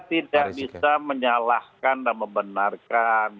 tidak bisa menyalahkan dan membenarkan